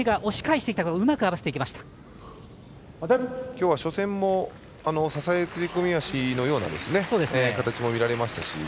きょうは初戦も支え釣り込み足のような形も見られましたし。